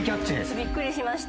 びっくりしました。